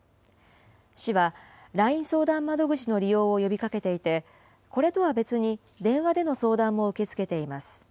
市はＬＩＮＥ相談窓口の利用を呼びかけていて、これとは別に、電話での相談も受け付けています。